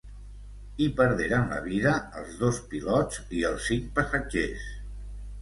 Hi perderen la vida els dos pilots i els cinc passatgers.